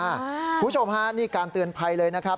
คุณผู้ชมฮะนี่การเตือนภัยเลยนะครับ